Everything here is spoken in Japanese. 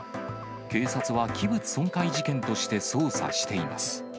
警察は器物損壊事件として捜査しています。